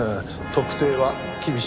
特定は厳しいかも。